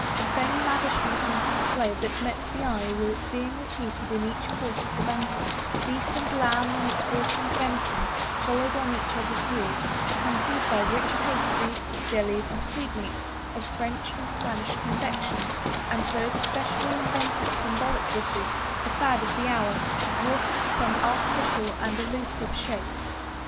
The same lavishness and display that met the eye were being repeated in each course of the banquet Beef and lamb and pork and venison followed on each other's heels, accompanied by rich pastries, jellies, and sweet meats of French and Spanish confection and those espe cially invented symbolic dishes, the fad of the hour, wrought into some artificial and allusive shape.